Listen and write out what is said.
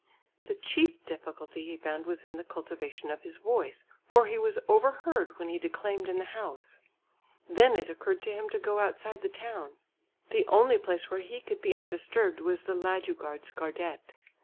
The chief difficulty he found was in the cultivation of his voice, for he was overheard when he declaimed in the house. Then it occurred to him to go outside the town. The only place where he could be undisturbed was the Ladugårdsgärdet.